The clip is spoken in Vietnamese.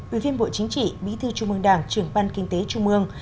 ủy viên bộ chính trị bí thư trung mương đảng trưởng ban kinh tế trung mương